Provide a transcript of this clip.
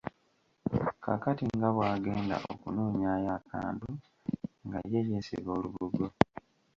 Kaakati nga bw’agenda okunoonyaayo akantu nga ye yeesiba olubugo.